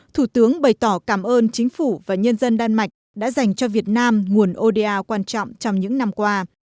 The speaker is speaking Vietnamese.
thủ tướng bày tỏ cảm ơn chính phủ và nhân dân đan mạch đã dành cho việt nam nguồn oda quan trọng trong những năm qua